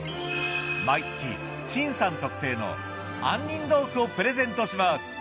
毎月陳さん特製の杏仁豆腐をプレゼントします。